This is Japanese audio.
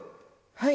はい。